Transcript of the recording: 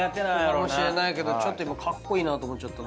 かもしれないけどちょっと今カッコイイなと思っちゃった。